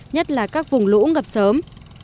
nhất là các vùng lũ ngập sớm